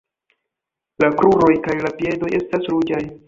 La kruroj kaj la piedoj estas ruĝaj.